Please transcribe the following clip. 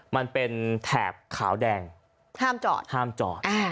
มันเป็นแถบขาวแดงห้ามจอดห้ามจอด